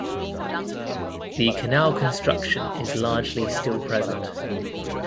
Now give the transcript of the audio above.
The canal construction is largely still present.